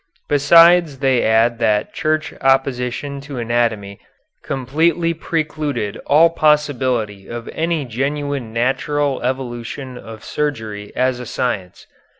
Besides they add that Church opposition to anatomy completely precluded all possibility of any genuine natural evolution of surgery as a science.